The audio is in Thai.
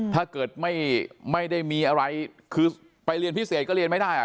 ถ้าเกิดไม่ได้มีอะไรคือไปเรียนพิเศษก็เรียนไม่ได้